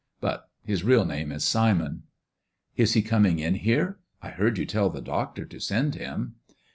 But his real name is Simon." " Is he coming in here 1 I heard you tell the doctor to send him."